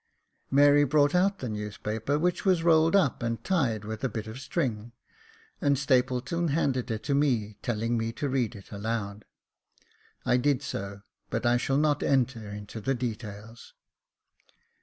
Mary brought out the newspaper, which was rolled up and tied with a bit of string, and Stapleton handed it over to me, telling me to read it aloud. I did so, but I shall not enter into the details.